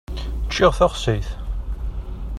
Ččiɣ taxsayt.